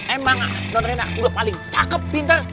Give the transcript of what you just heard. emang nondrena udah paling cakep pinter